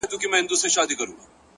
هره هڅه ځانګړی اثر لري،